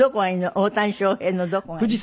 大谷翔平のどこがいい？